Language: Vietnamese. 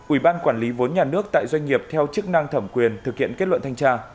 ủy ban quản lý vốn nhà nước tại doanh nghiệp theo chức năng thẩm quyền thực hiện kết luận thanh tra